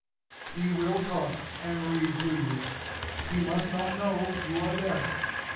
He will talk and read to you. He must not know you are deaf.